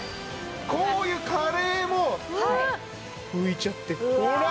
こういうカレーも拭いちゃってほら！